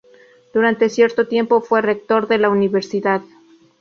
Durante cierto tiempo fue rector de la universidad.